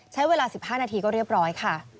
ใช้เวลา๑๕นาทีก็เรียบร้อยค่ะ